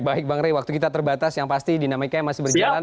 baik bang rey waktu kita terbatas yang pasti dinamikanya masih berjalan